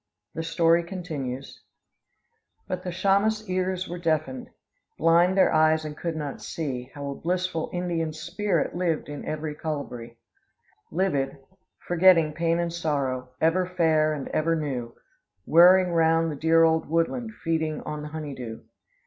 The story continues: "But the Chaymas' ears were deafened; Blind their eyes, and could not see, How a blissful Indian's spirit Lived in every colibri. Lived, forgetting pain and sorrow, Ever fair and ever new, Whirring round the dear old woodland, Feeding on the honeydew.